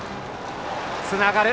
つながる。